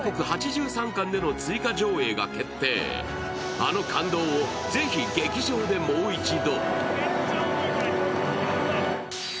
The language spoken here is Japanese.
あの感動を、ぜひ劇場でもう一度！